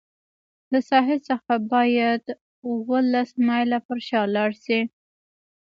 له ساحل څخه باید اوولس مایله پر شا لاړ شي.